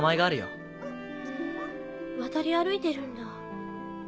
ふん渡り歩いてるんだ。